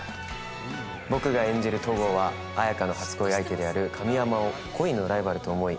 僕が演じる東郷は綾華の初恋相手である神山を恋のライバルと思い